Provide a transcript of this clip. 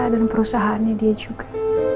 dan perusahaannya dia juga